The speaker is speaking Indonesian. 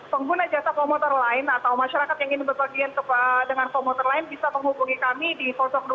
pengguna jasa komuter lain atau masyarakat yang ingin berpergian dengan komuter lain bisa menghubungi kami di empat ribu satu ratus sebelas